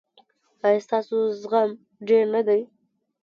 ایا ستاسو زغم ډیر نه دی؟